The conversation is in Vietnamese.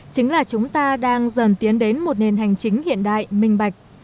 chính là chúng ta đang dần tiến đến một nền hành chính hiện đại minh bạch